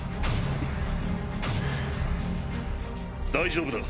大丈夫だ。